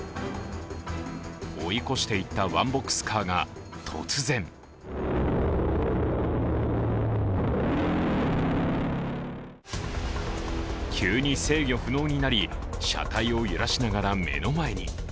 追い越していったワンボックスカーが突然急に制御不能になり、車体を揺らしながら目の前に。